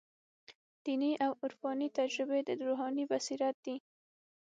دیني او عرفاني تجربې د روحاني بصیرت دي.